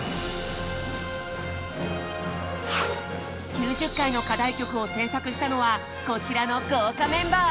９０回の課題曲を制作したのはこちらの豪華メンバー。